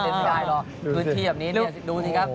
เต้นไม่ได้หรอกพื้นที่แบบนี้ดูสิครับ